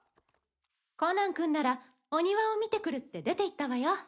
コナン君ならお庭を見てくるって出ていったわよ。